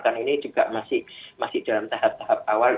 kan ini juga masih dalam tahap tahap awal